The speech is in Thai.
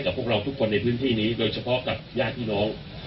พวกเราทุกคนในพื้นที่นี้โดยเฉพาะกับญาติพี่น้อง